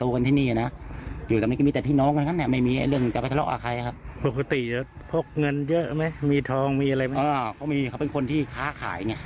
เขาจะไม่ค่อยเงินฝักขณะอาคาร